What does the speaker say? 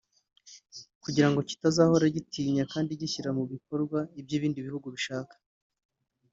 kugira ngo kitazahora gitinya kandi gishyira mu bikorwa iby’ibindi bihugu bishaka